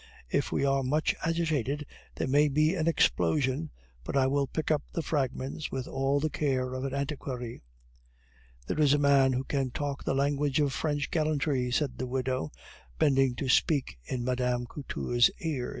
If we are much agitated, there may be an explosion; but I will pick up the fragments with all the care of an antiquary." "There is a man who can talk the language of French gallantry!" said the widow, bending to speak in Mme. Couture's ear.